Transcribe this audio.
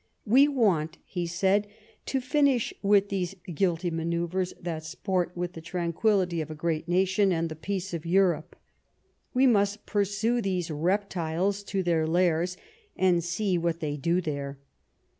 " We want," he said, " to finish with these guilty manoeuvres that sport with the tranquillity of a great nation and the peace of Europe. We must pursue these reptiles to their lairs and see what they do there.